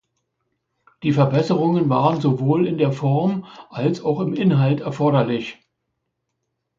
Die Verbesserungen waren sowohl in der Form als auch im Inhalt erforderlich.